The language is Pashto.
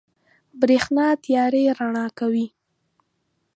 برېښنا تيارې رڼا کوي.